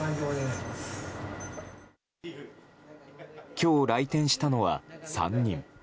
今日来店したのは３人。